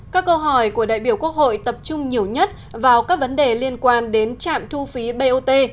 các câu hỏi của đại biểu quốc hội tập trung nhiều nhất vào các vấn đề liên quan đến trạm thu phí bot